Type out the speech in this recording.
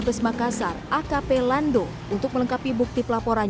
nama keluar keluar muluk keluar muluk ke daerah